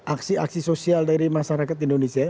aksi aksi sosial dari masyarakat indonesia